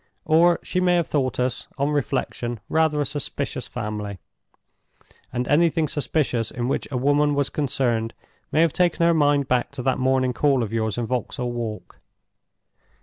Or she may have thought us, on reflection, rather a suspicious family; and anything suspicious in which a woman was concerned may have taken her mind back to that morning call of yours in Vauxhall Walk.